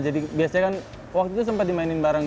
jadi biasanya kan waktu itu sempet dimainin bareng